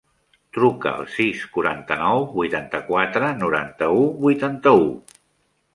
Truca al sis, quaranta-nou, vuitanta-quatre, noranta-u, vuitanta-u.